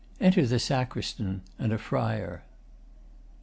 Enter the SACRISTAN and a FRIAR.